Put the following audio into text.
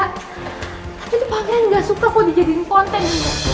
tapi tuh pangeran ga suka kalo dijadiin konten